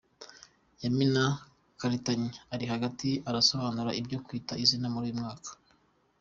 Yamina Karitanyi uri hagati arasobanura ibyo Kwita Izina muri uyu mwaka.